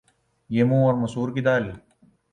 یہ منھ اور مسور کی دال